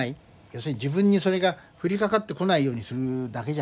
要するに自分にそれが降りかかってこないようにするだけじゃん。